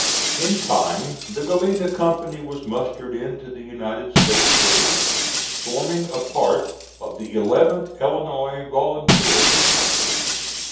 In time the Galena company was mustered into the United States service, forming a part of the 11th Illinois volunteer infantry.